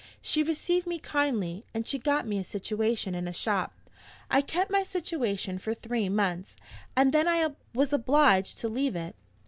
She received me kindly, and she got me a situation in a shop. I kept my situation for three months, and then I was obliged to leave it.'"